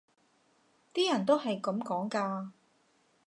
啲人都係噉講㗎